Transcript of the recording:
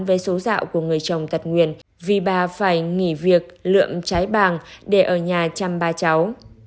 với số dạo của người chồng tật nguyền vì bà phải nghỉ việc lượm trái bàng để ở nhà chăm ba cháu